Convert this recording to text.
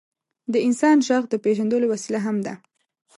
د انسان ږغ د پېژندلو وسیله هم ده.